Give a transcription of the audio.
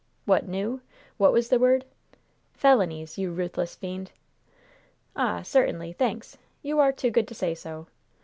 "'What new' what was the word?" "Felonies! you ruthless fiend!" "Ah! Certainly! Thanks! You are too good to say so!